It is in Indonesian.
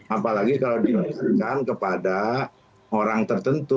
apalagi kalau diberikan kepada orang tertentu